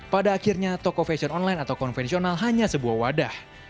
pada akhirnya toko fashion online atau konvensional hanya sebuah wadah